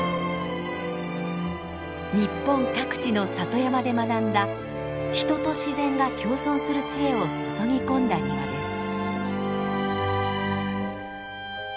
日本各地の里山で学んだ人と自然が共存する知恵を注ぎ込んだ庭です。